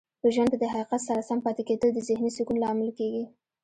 په ژوند کې د حقیقت سره سم پاتې کیدل د ذهنې سکون لامل کیږي.